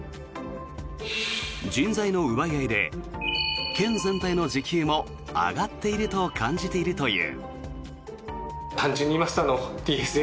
人材の奪い合いで県全体の時給も上がっていると感じているという。